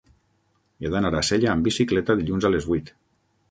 He d'anar a Sella amb bicicleta dilluns a les vuit.